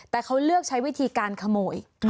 แต่เขาเลือกใช้วิธีการขโมย